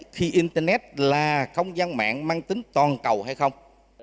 khi internet là không gian mạng mang tính toàn cầu hay không